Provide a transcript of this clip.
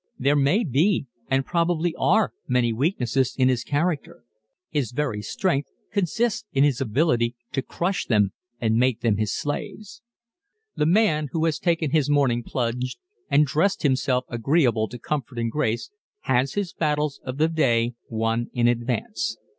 There may be and probably are many weaknesses in his character. His very strength consists in his ability to crush them and make them his slaves. The man who has taken his morning plunge and dressed himself agreeable to comfort and grace, has his battles of the day won in advance.